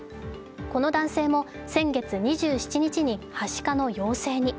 この男性も先月２７日にはしかの陽性に。